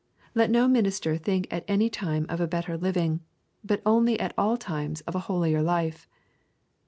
Let no minister think at any time of a better living, but only at all times of a holier life.